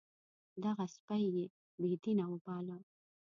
دغه سپی یې بې دینه وباله.